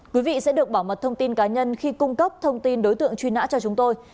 quý vị sẽ được bảo mật thông tin cá nhân khi cung cấp thông tin đối tượng truy nã cho chúng tôi